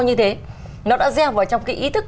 như thế nó đã gieo vào trong cái ý thức